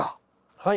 はい。